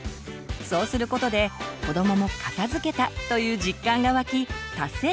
そうすることで子どもも「片づけた」という実感がわき達成感も得られます。